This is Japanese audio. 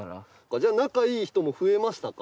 じゃあ仲いい人も増えましたか？